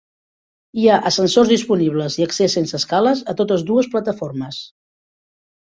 Hi ha ascensors disponibles i accés sense escales a totes dues plataformes.